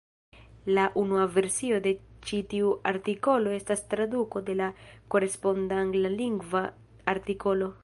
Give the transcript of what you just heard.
La unua versio de ĉi tiu artikolo estas traduko de la koresponda Anglalingva artikolo.